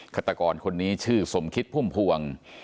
ฆาตกรคนนี้ชื่อสมคิดพุ่มพวง